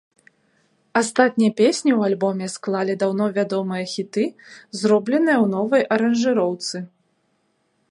Астатнія песні ў альбоме склалі даўно вядомыя хіты, зробленыя ў новай аранжыроўцы.